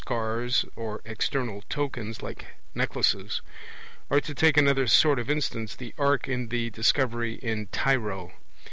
scars, or external tokens, like necklaces, or to take another sort of instance, the ark in the Discovery in Tyro.